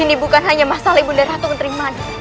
ini bukan hanya masalah ibu darah tunggut riman